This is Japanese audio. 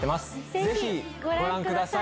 ぜひご覧ください。